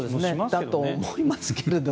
だと思いますけど。